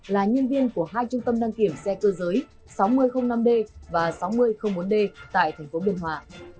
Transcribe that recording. là nhân viên của hai trung tâm năng kiểm xe cơ giới sáu nghìn năm d và sáu nghìn bốn d tại tp biên hòa